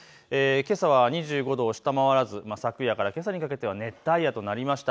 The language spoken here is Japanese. けさは２５度を下回らず昨夜からけさにかけては熱帯夜となりました。